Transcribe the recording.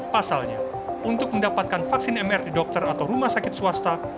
pasalnya untuk mendapatkan vaksin mr di dokter atau rumah sakit swasta